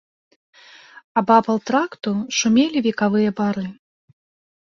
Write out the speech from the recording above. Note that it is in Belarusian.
Абапал тракту шумелі векавыя бары.